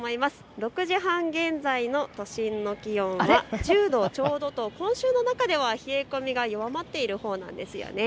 ６時半現在の都心の気温は１０度ちょうどと今週の中では冷え込みが弱まっているほうなんですよね。